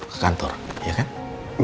ke kantor iya kan